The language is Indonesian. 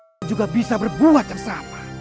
kita juga bisa berbuat sesama